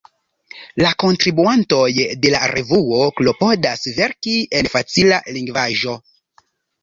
La kontribuantoj de la revuo klopodas verki en facila lingvaĵo.